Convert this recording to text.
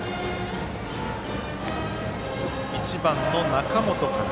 １番の中本から。